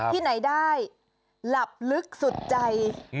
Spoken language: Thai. ที่ไหนได้หลับลึกสุดใจ